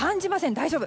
大丈夫。